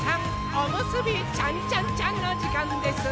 おむすびちゃんちゃんちゃんのじかんです！